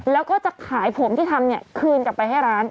แล้วก็จะขายผมที่ทำเนี่ยคืนกลับไปให้ร้าน